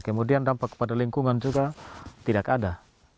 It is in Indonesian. kemudian dampak pada lingkungan juga tidak ada